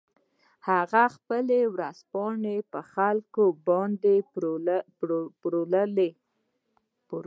هغه خپلې ورځپاڼې په خلکو باندې وپلورلې.